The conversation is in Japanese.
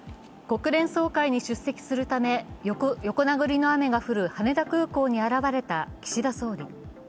国連総会に出席するため、横殴りの雨が降る羽田空港に現れた岸田総理。